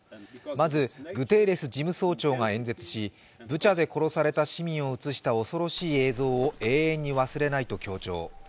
まずグテーレス事務総長が演説し、ブチャで殺された市民を映した恐ろしい映像を永遠に忘れないと強調。